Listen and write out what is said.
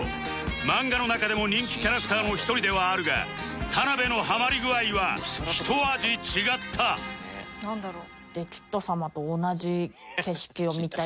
漫画の中でも人気キャラクターの一人ではあるが田辺のハマり具合はひと味違ったなんだろう？